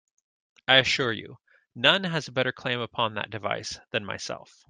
I assure you, none has a better claim upon that device than myself.